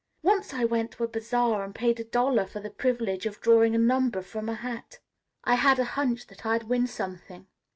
Once I went to a bazaar and paid a dollar for the privilege of drawing a number from a hat. I had a hunch that I'd win something.